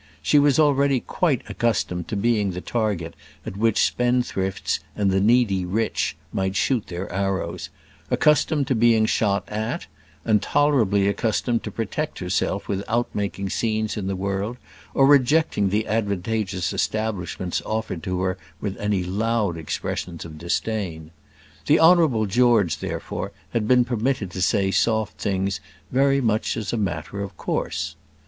She was already quite accustomed to being the target at which spendthrifts and the needy rich might shoot their arrows: accustomed to being shot at, and tolerably accustomed to protect herself without making scenes in the world, or rejecting the advantageous establishments offered to her with any loud expressions of disdain. The Honourable George, therefore, had been permitted to say soft things very much as a matter of course.